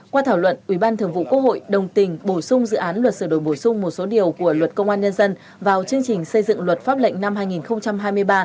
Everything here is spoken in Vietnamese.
qua thảo luận ubqvn đồng tình bổ sung dự án luật sửa đổi bổ sung một số điều của luật công an nhân dân vào chương trình xây dựng luật pháp lệnh năm hai nghìn hai mươi ba